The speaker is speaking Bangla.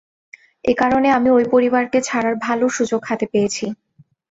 একারণে, আমি ওই পরিবারকে ছাড়ার ভালো সুযোগ হাতে পেয়েছি।